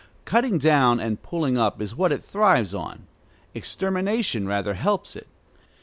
Cutting down and pulling up is what it thrives on. Extermination rather helps it.